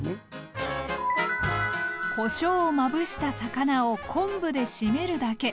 こしょうをまぶした魚を昆布でしめるだけ。